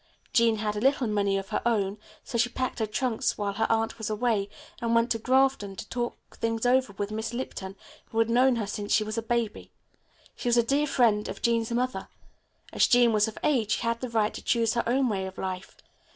"Jean had a little money of her own, so she packed her trunks while her aunt was away and went to Grafton to talk things over with Miss Lipton, who has known her since she was a baby. She was a dear friend of Jean's mother. As Jean was of age she had the right to choose her own way of life.